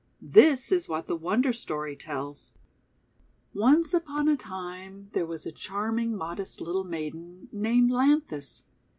This is what the Wonder Story tells :— Once upon a time there was a charming modest little maiden named lanthis.